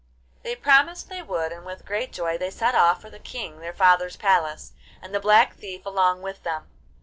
They promised they would, and with great joy they set off for the King their father's palace, and the Black Thief along with them.